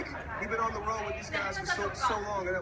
สบายมาร่าวทุกคน